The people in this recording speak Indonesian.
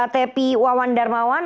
tevi wawan darmawan